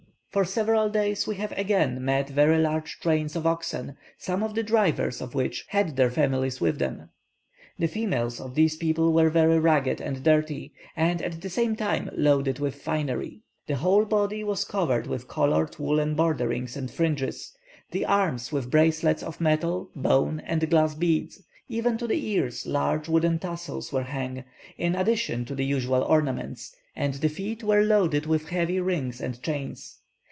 For several days we have again met very large trains of oxen, some of the drivers of which had their families with them. The females of these people were very ragged and dirty, and at the same time loaded with finery. The whole body was covered with coloured woollen borderings and fringes, the arms with bracelets of metal, bone, and glass beads; even to the ears large woollen tassels were hung, in addition to the usual ornaments, and the feet were loaded with heavy rings and chains.